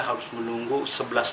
terus karenainn family dan eranak